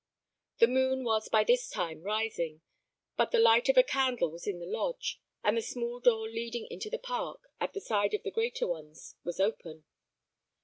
The moon was by this time rising, but the light of a candle was in the lodge, and the small door leading into the park, at the side of the greater ones, was open.